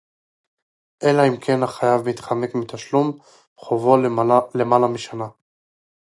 אלא אם כן החייב מתחמק מתשלום חובו למעלה משנה